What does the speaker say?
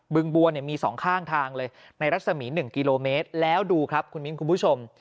ึงบัวเนี่ยมี๒ข้างทางเลยในรัศมี๑กิโลเมตรแล้วดูครับคุณมิ้นคุณผู้ชม